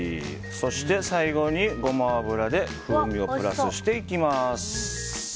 そして、ゴマ油で風味をプラスしていきます。